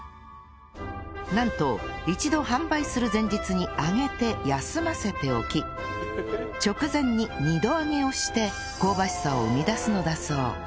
なんと一度販売する前日に揚げて休ませておき直前に二度揚げをして香ばしさを生み出すのだそう